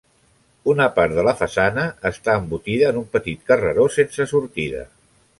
Una part de la façana està embotida en un petit carreró sense sortida.